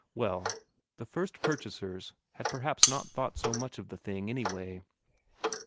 Well, the first purchasers had perhaps not thought so much of the thing, anyway.